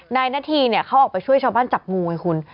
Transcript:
นายหน้าทีเขาออกไปช่วยชาวบ้านจับงูไว้คุณ